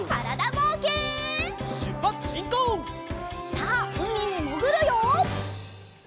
さあうみにもぐるよ！